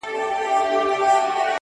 هلته پاس چي په سپوږمـۍ كــي;